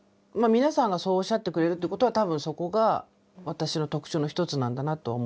皆さんがそうおっしゃってくれるってことは多分そこが私の特徴の一つなんだなと思ってて。